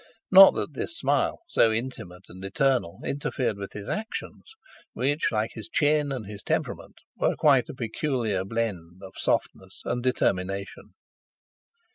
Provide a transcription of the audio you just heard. Not that this smile, so intimate and eternal, interfered with his actions, which, like his chin and his temperament, were quite a peculiar blend of softness and determination.